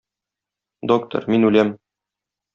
Доктор, мин үләм!